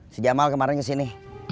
si jamal kemarin kesini